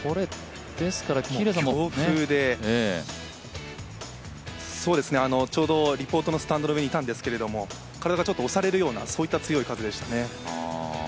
強風で、ちょうどリポートのスタンドの上にいたんですけれども体がちょっと押されるような強い風でしたね。